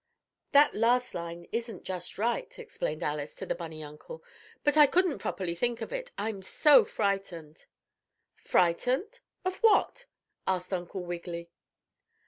"That last line isn't just right," explained Alice to the bunny uncle, "but I couldn't properly think of it, I'm so frightened!" "Frightened? At what?" asked Uncle Wiggily.